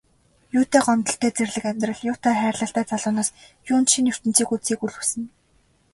Юутай гомдолтой зэрлэг амьдрал, юутай хайрлалтай залуу нас, юунд шинэ ертөнцийг үзэхийг үл хүснэ.